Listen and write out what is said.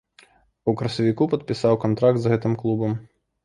У красавіку падпісаў кантракт з гэтым клубам.